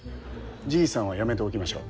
じいさんは、やめておきましょう。